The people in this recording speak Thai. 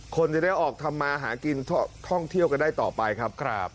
คนจะได้ออกทำมาหากินท่องเที่ยวกันได้ต่อไปครับ